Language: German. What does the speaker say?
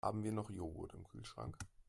Haben wir noch Joghurt im Kühlschrank?